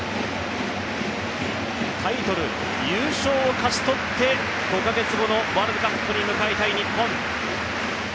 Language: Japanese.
タイトル、優勝を勝ち取って、５カ月後のワールドカップに向かいたい日本。